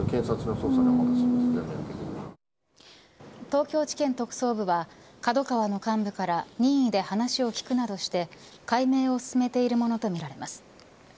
東京地検特捜部はＫＡＤＯＫＡＷＡの幹部から任意で話を聞くなどして解明を進めているものとみられます。